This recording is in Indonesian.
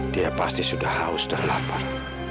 dia pasti sudah haus dan lapar